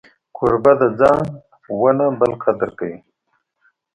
کوربه د ځان و نه بل قدر کوي.